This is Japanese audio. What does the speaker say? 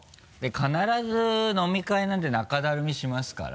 必ず飲み会なんて中だるみしますから。